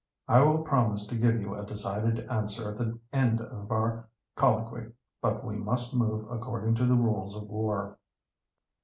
I will promise to give you a decided answer at the end of our colloquy. But we must move according to the rules of war."